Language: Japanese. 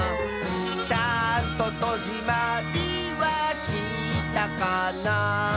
「ちゃんととじまりはしたかな」